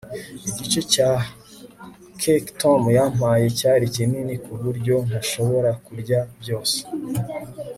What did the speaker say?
igice cya cake tom yampaye cyari kinini kuburyo ntashobora kurya byose